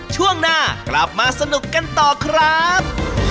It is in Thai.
ช่วงหน้ากลับมาสนุกกันต่อครับ